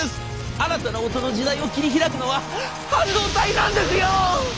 新たな音の時代を切り開くのは半導体なんですよ！」。